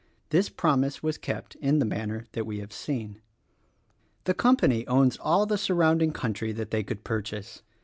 This promise was kept in the manner that we have seen. The Company owns all the surrounding country that they could purchase.